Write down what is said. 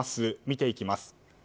見ていきます。